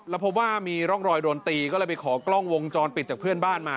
แล้วพบว่ามีร่องรอยโดนตีก็เลยไปขอกล้องวงจรปิดจากเพื่อนบ้านมา